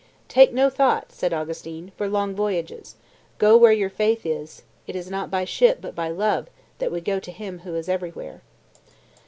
"Take no thought," said Augustine, "for long voyages; go where your faith is; it is not by ship, but by love, that we go to Him who is everywhere."